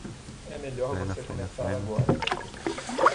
É melhor você começar agora.